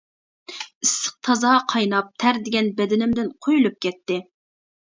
ئىسسىق تازا قايناپ، تەر دېگەن بەدىنىمدىن قۇيۇلۇپ كەتتى.